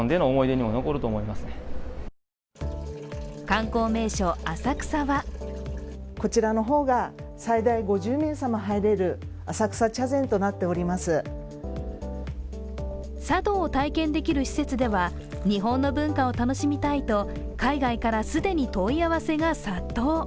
観光名所、浅草は茶道を体験できる施設では日本の文化を楽しみたいと海外から既に問い合わせが殺到。